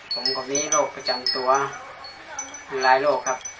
ผมก็มีโรคประจำตัวหลายโรคครับ